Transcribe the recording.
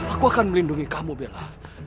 aku akan melindungi kamu bella